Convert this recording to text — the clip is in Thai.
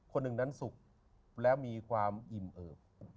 คนหนึ่งนั้นสุขแล้วมีความอิ่มเอิบ